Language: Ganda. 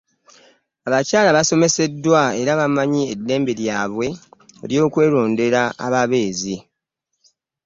Abakyala basomeseddwa era bamanyi eddembe lyabwe eryokwerondera ababeezi.